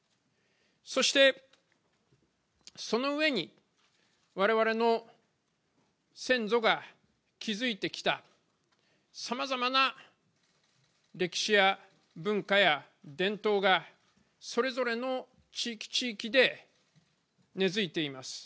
そしてその上に、われわれの先祖が築いてきたさまざまな歴史や文化や伝統が、それぞれの地域地域で根付いています。